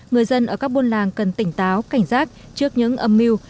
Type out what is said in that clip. người dân ở các buôn làng cần tỉnh táo cảnh giác trước những âm mưu